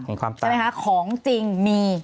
เห็นความต่างใช่ไหมคะของจริงมี